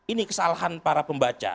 ini kesalahan para pembaca